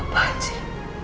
untuk apa pak cik